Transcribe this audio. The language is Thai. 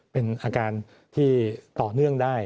เป็นอาการที่ต่อเนื่องได้